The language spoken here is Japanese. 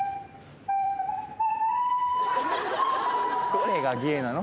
どれが芸なの？